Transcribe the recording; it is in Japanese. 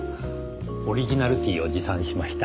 オリジナルティーを持参しました。